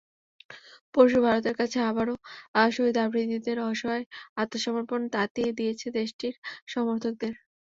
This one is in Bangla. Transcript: পরশু ভারতের কাছে আবারও শহীদ আফ্রিদিদের অসহায় আত্মসমর্পণ তাতিয়ে দিয়েছে দেশটির সমর্থকদের।